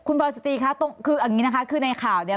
เอ่อคุณพลาสตรีค่ะคืออันนี้นะคะคือในข่าวเนี่ย